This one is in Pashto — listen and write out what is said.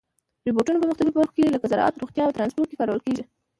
روبوټونه په مختلفو برخو کې لکه زراعت، روغتیا او ترانسپورت کې کارول کېږي.